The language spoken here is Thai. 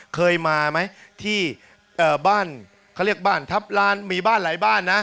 เคยมาไหมที่บ้านเขาเรียกบ้านทัพล้านมีบ้านหลายบ้านนะ